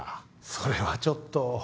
それはちょっと。